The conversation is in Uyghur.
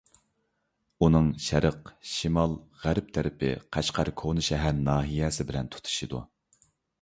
ئۇنىڭ شەرق، شىمال، غەرب تەرىپى قەشقەر كوناشەھەر ناھىيەسى بىلەن تۇتىشىدۇ.